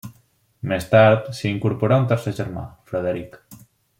Més tard s'hi incorporà un tercer germà, Frederic.